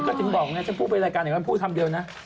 ก็จึงบอกอย่างนี้จะพูดไปรายการอีกวันพูดคำเดียวนะ